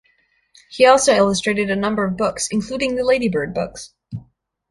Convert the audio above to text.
He also illustrated a number of books, including the Ladybird books.